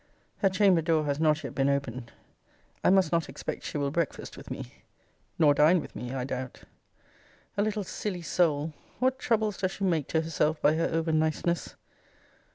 Her chamber door has not yet been opened. I must not expect she will breakfast with me. Nor dine with me, I doubt. A little silly soul, what troubles does she make to herself by her over niceness!